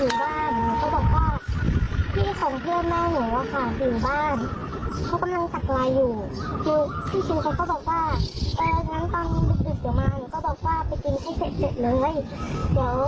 บ้านหนูก็บอกว่าพี่ของเพื่อนแม่หนูว่าขาดอยู่บ้านเขากำลังจักรายอยู่